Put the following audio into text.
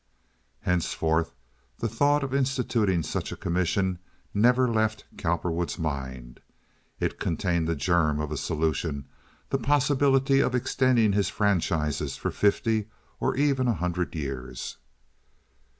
Henceforth the thought of instituting such a commission never left Cowperwood's mind. It contained the germ of a solution—the possibility of extending his franchises for fifty or even a hundred years.